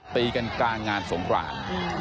ตีกันกลางงานสงคราน